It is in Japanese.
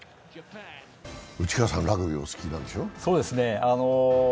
内川さん、ラグビーお好きなんでしょ？